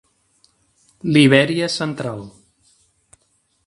Libèria central.